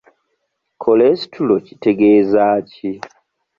Kolesitulo kitegezaaki?